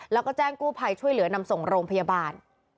แล้วก็แจ้งกู้ภัยช่วยเหลือนำส่งโรงพยาบาล